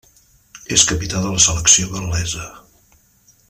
És capità de la selecció gal·lesa.